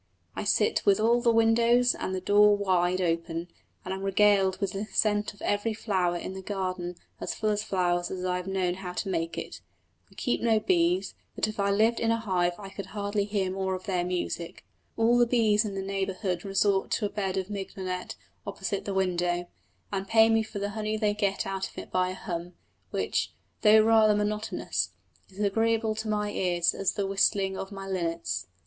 I sit with all the windows and the door wide open, and am regaled with the scent of every flower in a garden as full of flowers as I have known how to make it. We keep no bees, but if I lived in a hive I could hardly have more of their music. All the bees in the neighbourhood resort to a bed of mignonette opposite to the window, and pay me for the honey they get out of it by a hum, which, though rather monotonous, is as agreeable to my ears as the whistling of my linnets.